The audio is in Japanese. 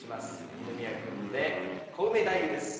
二宮君でコウメ太夫です。